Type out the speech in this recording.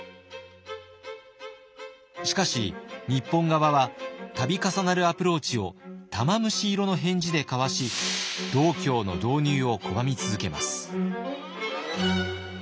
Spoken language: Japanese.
しかし日本側は度重なるアプローチを玉虫色の返事でかわし道教の導入を拒み続けます。